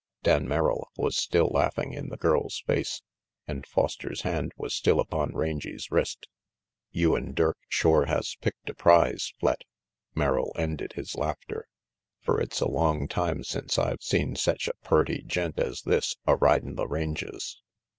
Dan Merrill was still laughing in the girl's face, and Foster's hand was still upon Rangy's wrist. "You an' Dirk shore has picked a prize, Flet," Merrill ended his laughter, "fer it's a long tune since I've seen sech a purty gent as this a ridin' the ranges.